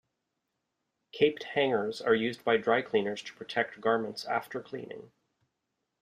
Caped hangers are used by dry cleaners to protect garments after cleaning.